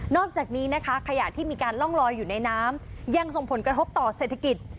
อกจากนี้นะคะขยะที่มีการล่องลอยอยู่ในน้ำยังส่งผลกระทบต่อเศรษฐกิจ